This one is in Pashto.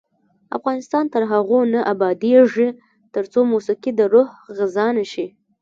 افغانستان تر هغو نه ابادیږي، ترڅو موسیقي د روح غذا نشي.